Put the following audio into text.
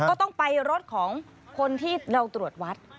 ก็ต้องไปรถของคนที่เราตรวจวัด